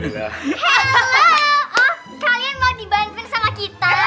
oh kalian mau dibantuin sama kita